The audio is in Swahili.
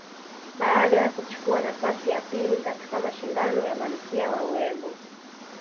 Baada ya kuchukua nafasi ya pili katika mashindano ya malkia wa urembo